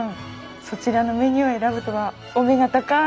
そちらのメニューを選ぶとはお目が高い。